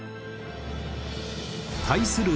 対する